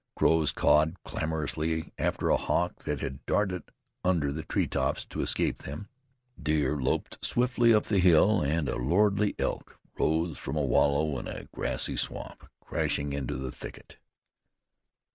Crows cawed clamorously after a hawk that had darted under the tree tops to escape them; deer loped swiftly up the hill, and a lordly elk rose from a wallow in the grassy swamp, crashing into the thicket.